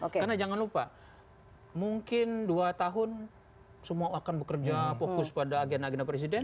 karena jangan lupa mungkin dua tahun semua akan bekerja fokus pada agenda agenda presiden